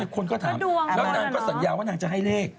คนก็ถามดวงแล้วนางก็สัญญาว่านางจะให้เลข